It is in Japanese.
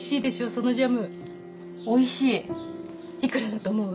そのジャムおいいくらだと思う？